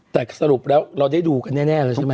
แต่สรุปแล้วเราได้ดูกันแน่แล้วใช่ไหม